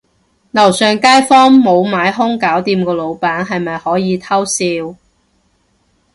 樓上街坊無買兇搞掂個老闆，係咪可以偷笑